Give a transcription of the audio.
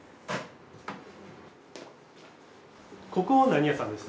ここは何屋さんでした？